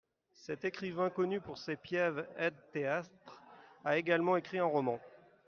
Cet écrivain, connu pour ses pièves ed théâtre, a également écrit un roman.